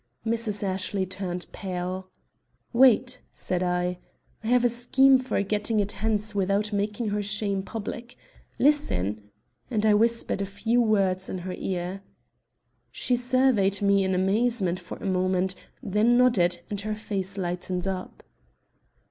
Mrs. Ashley turned pale. "Wait," said I; "I have a scheme for getting it hence without making her shame public. Listen!" and I whispered a few words in her ear. She surveyed me in amazement for a moment, then nodded, and her face lighted up.